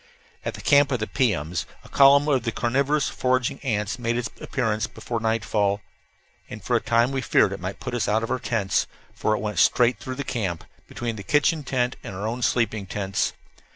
At the camp of the piums a column of the carnivorous foraging ants made its appearance before nightfall, and for a time we feared it might put us out of our tents, for it went straight through camp, between the kitchen tent and our own sleeping tents.